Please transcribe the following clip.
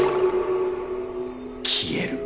消える。